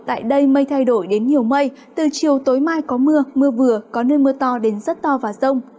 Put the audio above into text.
tại đây mây thay đổi đến nhiều mây từ chiều tối mai có mưa mưa vừa có nơi mưa to đến rất to và rông